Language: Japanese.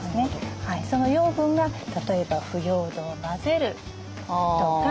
その養分が例えば腐葉土を混ぜるとか